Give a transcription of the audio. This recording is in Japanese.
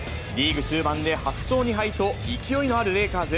リーグ終盤で８勝２敗と勢いのあるレイカーズ。